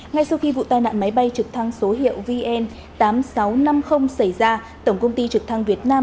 ngay sau khi vụ tai nạn máy bay trực thăng số hiệu vn tám nghìn sáu trăm năm mươi xảy ra tổng công ty trực thăng việt nam